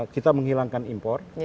kita menghilangkan import